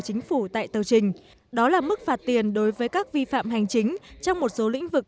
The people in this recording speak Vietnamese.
chính phủ tại tờ trình đó là mức phạt tiền đối với các vi phạm hành chính trong một số lĩnh vực